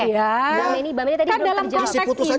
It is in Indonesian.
ya kan dalam konteks ini putusan mk setara dengan undang undang